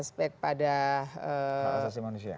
aspek pada asasi manusia